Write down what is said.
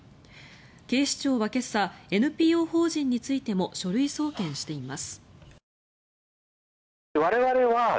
警視庁は今朝ＮＰＯ法人についても書類送検しています。